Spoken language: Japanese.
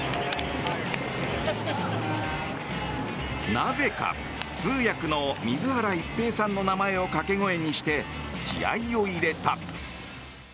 なぜか通訳の水原一平さんの名前を掛け声にして気合を入れた。